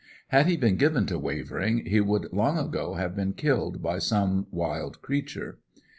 Had he been given to wavering he would long ago have been killed by some wild creature.